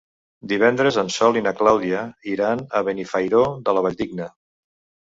Divendres en Sol i na Clàudia iran a Benifairó de la Valldigna.